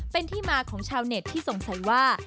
เป็นที่มาของชาวเน็ตที่สงสัยว่า